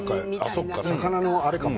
そっか、魚のあれかも。